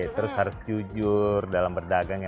terus harus jujur dalam berdagang ya